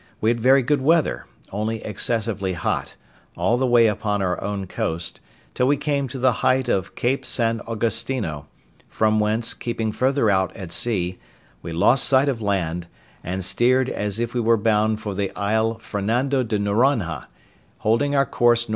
We had very good weather, only excessively hot, all the way upon our own coast, till we came to the height of Cape St. Augustino; from whence, keeping further off at sea, we lost sight of land, and steered as if we were bound for the isle Fernando de Noronha, holding our course N.E.